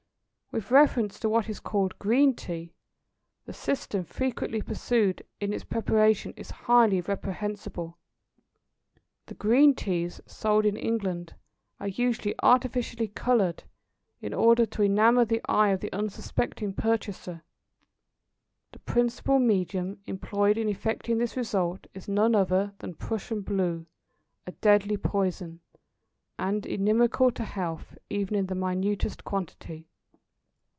With reference to what is called green Tea, the system frequently pursued in its preparation is highly reprehensible. The Green Teas sold in England are usually artificially coloured in order to enamour the eye of the unsuspecting purchaser. The principal medium employed in effecting this result is none other than Prussian blue, a deadly poison, and inimical to health even in the minutest quantity.